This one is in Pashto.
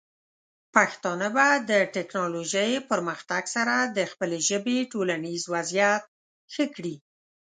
پښتانه به د ټیکنالوجۍ پرمختګ سره د خپلې ژبې ټولنیز وضعیت ښه کړي.